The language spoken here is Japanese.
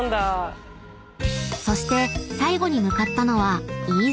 ［そして最後に向かったのは］